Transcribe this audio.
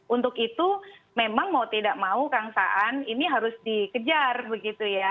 untuk itu memang mau tidak mau kang saan ini harus dikejar begitu ya